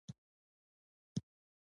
نتېجه یې له بربادیو پرته څه کېدای شي.